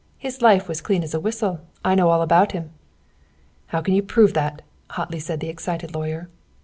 His life was clean as a whistle! I know all about him!" "How can you prove that?" hotly said the excited lawyer.